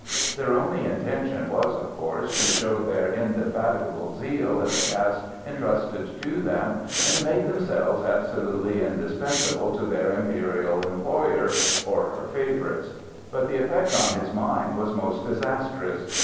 Their only intention was, of course, to show their indefatigable zeal in the task entrusted to them and to make themselves absolutely indispensable to their imperial employer or her favorites; but the effect on his mind was most disastrous.